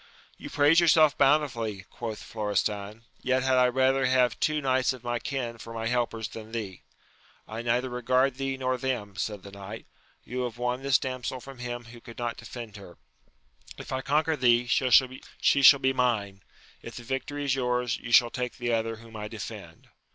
You praise yourself bountifully, quoth Florestan ; yet had I rather have two knights of my kill for my helpers than thee ! I neither regard thee nor them, said the knight : you have won this damsel from him who could not defend her ; if I conquer thee, she shall be mine ; if the victory is yours, you shall take the other whom I defend.